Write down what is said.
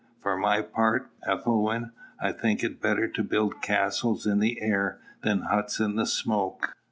_ For my part, Ethelwyn, I think it better to build castles in the air than huts in the smoke.